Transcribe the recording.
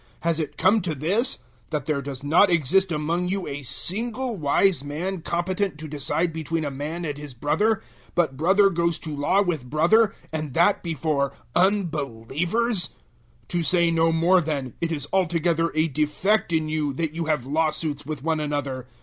Has it come to this, that there does not exist among you a single wise man competent to decide between a man and his brother, 006:006 but brother goes to law with brother, and that before unbelievers? 006:007 To say no more, then, it is altogether a defect in you that you have law suits with one another.